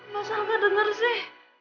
masa aku di rumah sakit